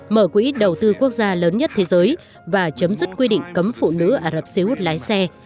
mở quỹ đầu tư quốc gia lớn nhất thế giới và chấm dứt quy định cấm phụ nữ ả rập xê út lái xe